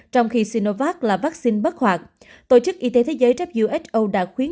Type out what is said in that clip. trong khi sinovac là vaccine bất hoạt tổ chức y tế thế giới who đã khuyến